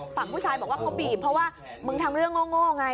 ฝั่งผู้ชายบอกว่าเขาบีบเพราะว่ามึงทำเรื่องโง่ไง